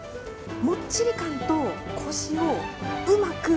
もっちり感とコシをうまく